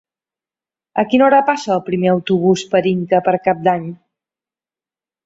A quina hora passa el primer autobús per Inca per Cap d'Any?